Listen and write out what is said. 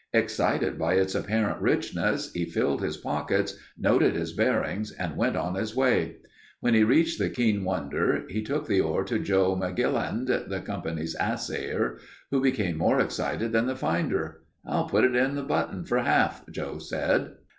Excited by its apparent richness he filled his pockets, noted his bearings and went on his way. When he reached the Keane Wonder he took the ore to Joe McGilliland, the company's assayer, who became more excited than the finder. "I'll put it in the button for half," Joe said.